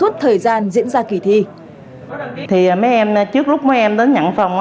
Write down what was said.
thì mấy em trước lúc mấy em đến nhận phòng